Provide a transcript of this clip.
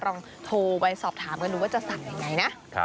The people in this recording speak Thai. ลองโทรไปสอบถามกันดูว่าจะสั่งยังไงนะ